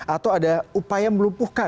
atau ada upaya melupuhkan